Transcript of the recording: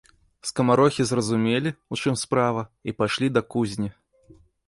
Скамарохі зразумелі, у чым справа, і пайшлі да кузні.